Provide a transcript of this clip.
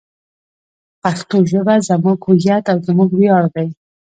پښتو ژبه زموږ هویت او زموږ ویاړ دی.